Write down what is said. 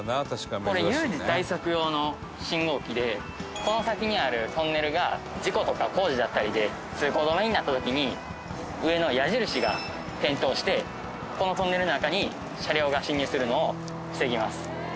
これ有事対策用の信号機でこの先にあるトンネルが事故とか工事だったりで通行止めになった時に上の矢印が点灯してこのトンネルの中に車両が進入するのを防ぎます。